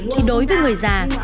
thì đối với người già